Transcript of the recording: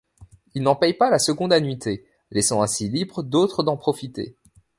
Il n'en paie pas la seconde annuité, laissant ainsi libres d'autres d'en profiter.